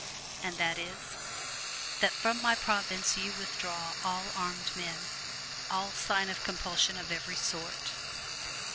"And that is?" "That from my province you withdraw all armed men all sign of compulsion of every sort!"